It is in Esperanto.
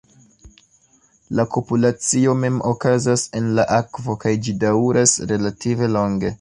La kopulacio mem okazas en la akvo kaj ĝi daŭras relative longe.